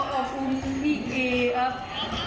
ขอขอบคุณพี่เจอัพ